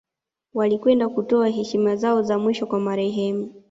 Walikwenda kutoa heshima zao za mwisho kwa marehemu